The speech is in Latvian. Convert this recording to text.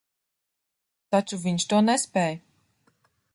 Taču viņš to nespēj.